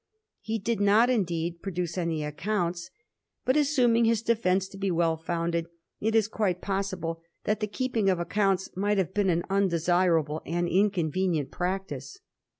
He did not, indeed, produce any accounts ; but, assuming his. defence to be well founded, it is quite possible that the keeping of accounts might have been an undesirable and inconvenient practice.